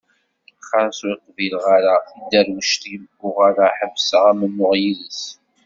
Xas ur qbileɣ ara tidderwect-iw uɣaleɣ ḥebseɣ amennuɣ yid-s.